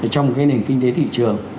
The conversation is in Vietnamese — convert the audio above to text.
trong cái nền kinh tế thị trường